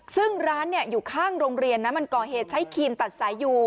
ซึ่งร้านอยู่ข้างโรงเรียนนะมันก่อเหตุใช้ครีมตัดสายอยู่